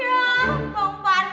ih rasanya sih bang